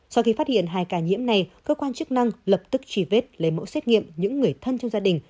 sau khi phát hiện hai ca nhiễm này cơ quan chức năng lập tức truy vết lấy mẫu xét nghiệm những người thân trong gia đình